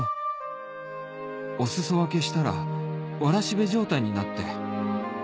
お裾分けしたらわらしべ状態になって